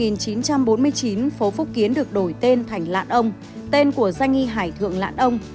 năm một nghìn chín trăm bốn mươi chín phố phúc kiến được đổi tên thành lạn ông tên của danh nghi hải thượng lãn ông